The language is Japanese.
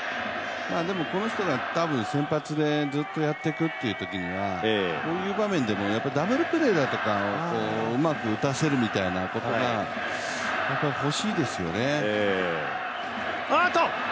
でもこの人は先発でずっとやっていくというときはこういう場面でもダブルプレーだとかをうまく打たせるのがほしいですね。